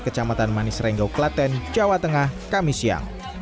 kecamatan manis renggau klaten jawa tengah kamis siang